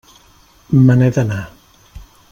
Me n'he d'anar.